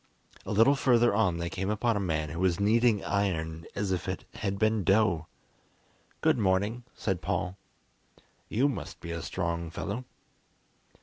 A little further on they came upon a man who was kneading iron as if it had been dough. "Good morning," said Paul, "you must be a strong fellow."